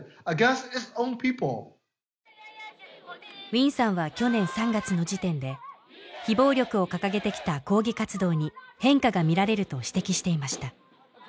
ウィンさんは去年３月の時点で非暴力を掲げてきた抗議活動に変化が見られると指摘していました